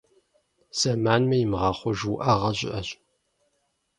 Зэманми имыгъэхъуж уӏэгъэ щыӏэщ.